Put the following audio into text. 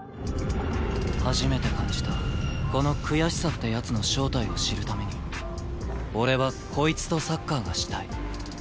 初めて感じたこの悔しさってやつの正体を知るために俺はこいつとサッカーがしたい。